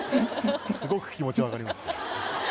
すごく気持ち分かります。